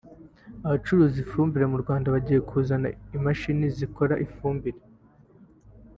Abacuruza ifumbire mu Rwanda bagiye kuzana imashini zikora ifumbire